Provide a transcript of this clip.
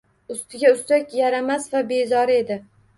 Ustiga ustak, yaramas va bezori edi.